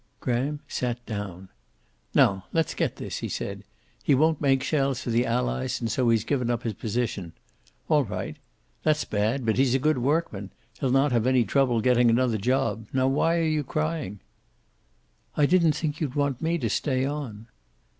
Graham sat down. "Now let's get this," he said. "He won't make shells for the Allies and so he's given up his position. All right. That's bad, but he's a good workman. He'll not have any trouble getting another job. Now, why are you crying?" "I didn't think you'd want me to stay on."